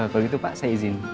kalau gitu pak saya izin